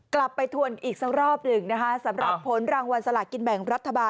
กลับไปทวนอีกสักรอบหนึ่งนะคะสำหรับผลรางวัลสลากินแบ่งรัฐบาล